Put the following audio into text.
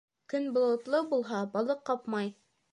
Көн болотло булһа, балыҡ ҡапмай.